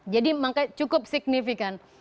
jadi makanya cukup signifikan